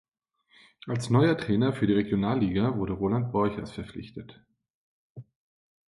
Als neuer Trainer für die Regionalliga wurde Ronald Borchers verpflichtet.